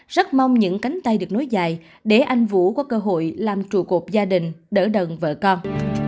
rất mong những cánh tay được nối dài để anh vũ có cơ hội làm trụ cột gia đình đỡ đần vợ con